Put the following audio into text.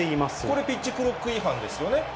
これ、ピッチクロック違反ですよね。